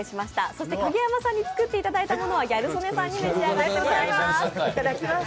そして蔭山さんに作っていただいたものは、ギャル曽根さんに召し上がっていただきます。